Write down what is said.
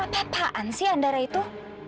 apa apaan sih andara itu